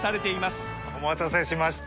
お待たせしました